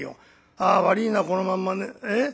ああ悪いなこのまんまええ？